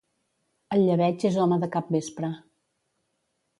El llebeig és home de capvespre.